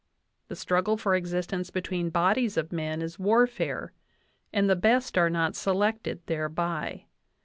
The struggle for existence between bodies of men is warfare, and the best are not selected thereby.